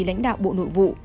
lãnh đạo bộ nội vụ